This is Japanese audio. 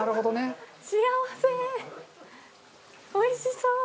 おいしそう！